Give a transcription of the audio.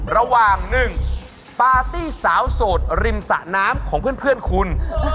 ระหว่าง๑ปาร์ตี้สาวโสดริมสะน้ำของเพื่อนคุณ